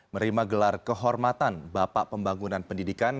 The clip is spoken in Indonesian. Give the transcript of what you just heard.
merima gelar kehormatan bapak pembangunan pendidikan